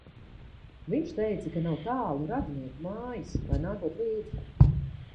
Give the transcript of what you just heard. Viņš teica, ka nav tālu radinieku mājas, lai nākot līdzi!